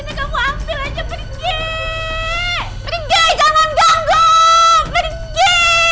pergi jangan ganggu pergi